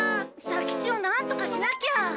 左吉をなんとかしなきゃ。